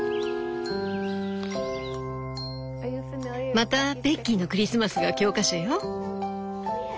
また「ベッキーのクリスマス」が教科書よ。